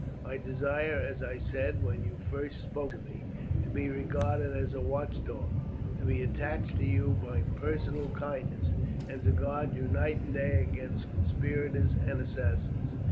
I desire, as I said when you first spoke to me, to be regarded as a watchdog, to be attached to you by personal kindness, and to guard you night and day against conspirators and assassins.